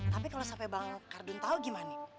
tapi kalau sampai bang kardun tahu gimana